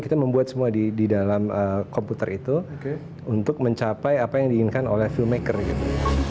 kita membuat semua di dalam komputer itu untuk mencapai apa yang diinginkan oleh fuelmaker gitu